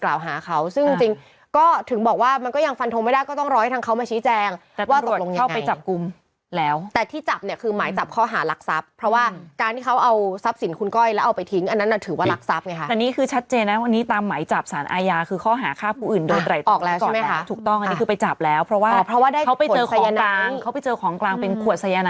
แล้วแต่ที่จับเนี้ยคือหมายจับข้อหารักทรัพย์เพราะว่าการที่เขาเอาทรัพย์สินคุณก้อยแล้วเอาไปทิ้งอันนั้นถือว่ารักทรัพย์ไงคะอันนี้คือชัดเจนนะวันนี้ตามหมายจับสารอายาคือข้อหาค่าผู้อื่นโดนไหล่ออกแล้วใช่ไหมคะถูกต้องอันนี้คือไปจับแล้วเพราะว่าเพราะว่าได้เขาไปเจอของกลางเขาไปเจอของกลางเป็นข